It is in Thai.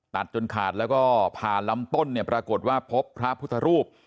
จนขาดแล้วก็ผ่านลำต้นเนี่ยปรากฏว่าพบพระพุทธรูป